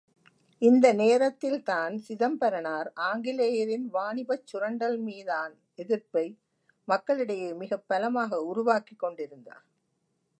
இந்த நேரத்தில்தான் சிதம்பரனார் ஆங்கிலேயரின் வாணிபச்சுரண்டல் மீதான் எதிர்ப்பை மக்கள் இடையே மிகப் பலமாக உருவாக்கிக் கொண்டிருந்தார்.